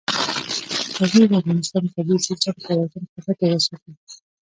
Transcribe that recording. غزني د افغانستان د طبعي سیسټم توازن په ښه توګه ساتي.